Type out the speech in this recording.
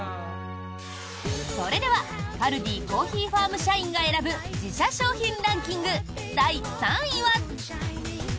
それでは、カルディコーヒーファーム社員が選ぶ自社商品ランキング第３位は。